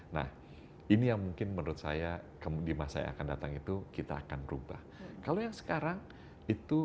nah ini yang mungkin menurut saya di masa yang akan datang itu kita akan rubah kalau yang sekarang itu